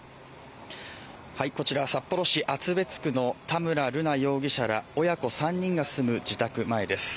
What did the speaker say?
こちら札幌市厚別区の田村瑠奈容疑者ら親子３人が住む自宅前です。